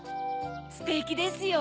ステキですよ！